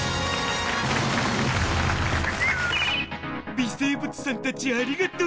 微生物さんたちありがとう！